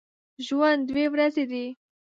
ژوند دوې ورځي دی